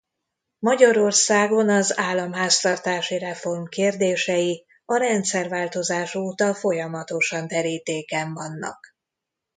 Magyarországon az államháztartási reform kérdései a rendszerváltozás óta folyamatosan terítéken vannak.